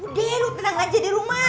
udah lo tenang aja di rumah